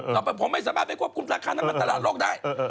ต่อไปผมไม่สามารถไปควบคุมราคาน้ำมันตลาดโลกได้